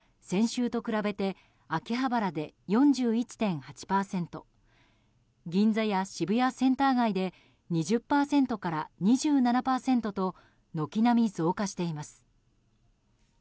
昨日、午後９時台の都内の人出は先週と比べて秋葉原で４１．８％銀座や渋谷センター街で２０％から２７％と軒並み増加しています。